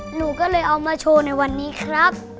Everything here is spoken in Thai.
หนูก็เลยเอามาโชว์ในวันนี้ครับ